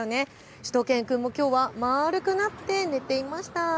しゅと犬くんはきょうも丸くなって寝ていました。